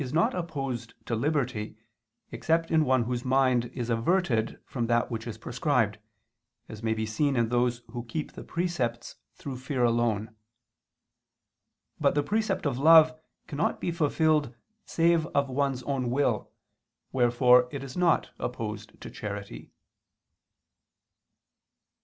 2: The obligation of a precept is not opposed to liberty, except in one whose mind is averted from that which is prescribed, as may be seen in those who keep the precepts through fear alone. But the precept of love cannot be fulfilled save of one's own will, wherefore it is not opposed to charity.